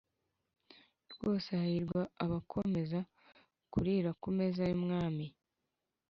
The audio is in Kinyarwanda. Rwose hahirwa abakomeza kurira ku meza y’Umwami